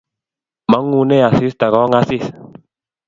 mangune asista kongasis